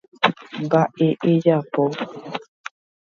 Mbeguemípe iñapysẽ kuarahy porã jajái